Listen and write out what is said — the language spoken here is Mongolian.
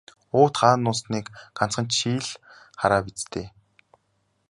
Уут хаана нуусныг ганцхан чи л хараа биз дээ.